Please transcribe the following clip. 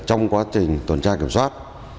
trong quá trình tuần tra kiểm soát